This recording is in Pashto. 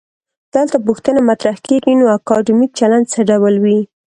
دلته پوښتنه مطرح کيږي: نو اکادمیک چلند څه ډول وي؟